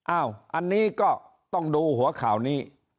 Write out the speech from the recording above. อันนี้ก็ต้องดูหัวข่าวนี้